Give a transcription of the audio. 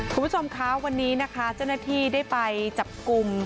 คุณผู้ชมคะวันนี้นะคะเจ้าหน้าที่ได้ไปจับกลุ่ม